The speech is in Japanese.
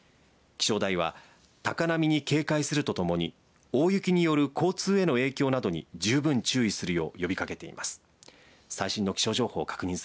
気象台は高波に警戒するとともに大雪による交通への影響などに十分注意するよう呼びかけています。